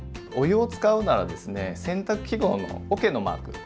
お湯を使うならですね洗濯記号のおけのマーク